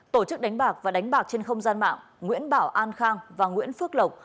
tổ chức đánh bạc và đánh bạc trên không gian mạng nguyễn bảo an khang và nguyễn phước lộc